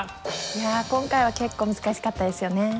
いや今回は結構難しかったですよね。